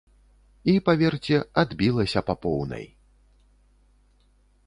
І паверце, адбілася па поўнай.